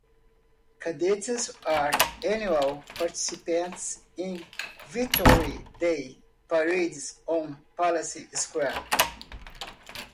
Cadets are annual participants in Victory Day Parades on Palace Square.